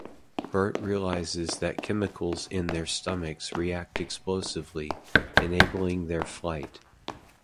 Burt realizes that chemicals in their stomachs react explosively, enabling their flight.